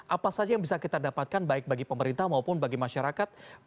apa saja yang bisa kita dapatkan baik bagi pemerintah maupun bagi masyarakat